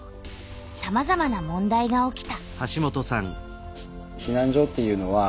さまざまな問題が起きた。